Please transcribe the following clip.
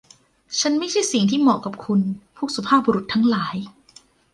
ฉันไม่ใช่สิ่งที่เหมาะกับคุณ พวกสุภาพบุรุษทั้งหลาย